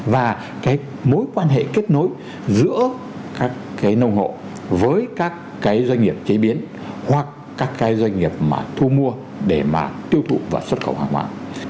và cái mối quan hệ kết nối giữa các cái nông hộ với các cái doanh nghiệp chế biến hoặc các cái doanh nghiệp mà thu mua để mà tiêu thụ và xuất khẩu hàng hóa